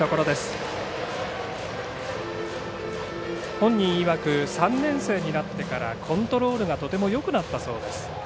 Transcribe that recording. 本人いわく３年生になってからコントロールがとてもよくなったそうです。